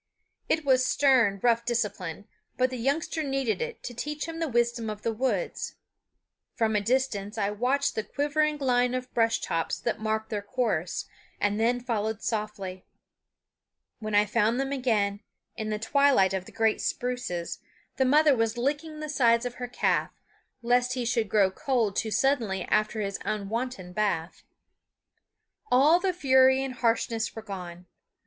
It was stern, rough discipline; but the youngster needed it to teach him the wisdom of the woods. From a distance I watched the quivering line of brush tops that marked their course, and then followed softly. When I found them again, in the twilight of the great spruces, the mother was licking the sides of her calf, lest he should grow cold too suddenly after his unwonted bath. All the fury and harshness were gone.